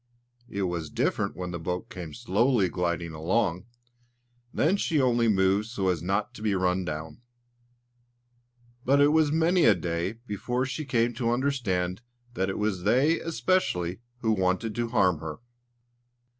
It was different when the boat came slowly gliding along; then she only moved so as not to be run down. But it was many a day before she came to understand that it was they especially who wanted to harm her.